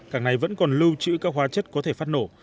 cảng này vẫn còn lưu trữ các hóa chất có thể phát nổ